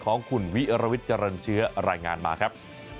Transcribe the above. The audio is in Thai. ของคุณวิรวิทย์เจริญเชื้อรายงานมาครับ